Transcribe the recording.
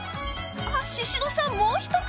あっ宍戸さんもう一口！